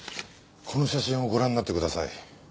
この写真をご覧になってください。